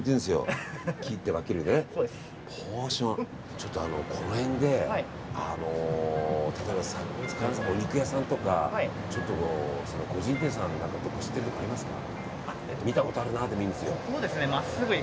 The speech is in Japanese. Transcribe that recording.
ちょっと、この辺で例えば、お肉屋さんとか個人店さん何か知ってるところありますか。